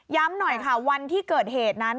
หน่อยค่ะวันที่เกิดเหตุนั้น